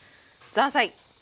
ザーサイ。